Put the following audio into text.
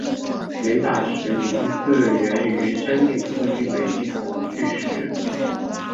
雷打石名字源于山顶附近的一头巨石。